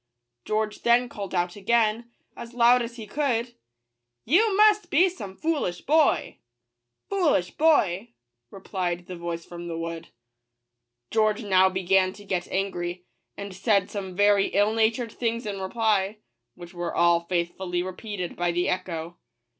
George then called out again, as loud as he could, " You must be some foolish boy." " Fool ish boy!" replied the voice from the wood. George now began to get angry, and said some very ill natured things in reply, which were all faithfully repeated by the echo.